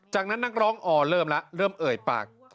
จากนั้นนักร้องออเริ่มแล้วเริ่มเอ่ยปาก